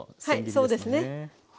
はいそうですね。